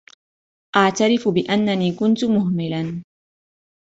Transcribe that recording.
أعترف بأنني كنت مهملاً.